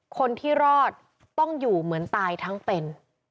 คนที่รอดต้องอยู่เหมือนตายทั้งเป็น